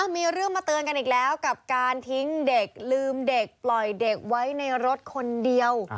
มีเรื่องมาเตือนกันอีกแล้วกับการทิ้งเด็กลืมเด็กปล่อยเด็กไว้ในรถคนเดียว